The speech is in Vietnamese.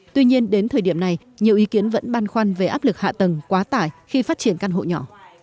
tuy nhiên đến thời điểm này nhiều ý kiến vẫn băn khoăn về áp lực hạ tầng quá tải khi phát triển căn hộ nhỏ